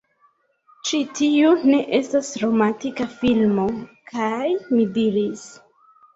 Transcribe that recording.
"Ĉi tiu ne estas romantika filmo!" kaj mi diris: